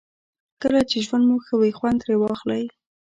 کله چې ژوند مو ښه وي خوند ترې واخلئ.